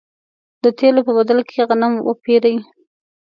د تېلو په بدل کې غنم وپېري.